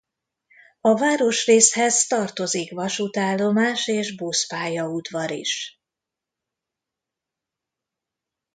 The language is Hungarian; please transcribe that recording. A városrészhez tartozik vasútállomás és buszpályaudvar is.